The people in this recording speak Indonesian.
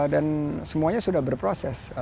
dan semuanya sudah berproses